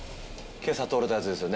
今朝取れたやつですよね。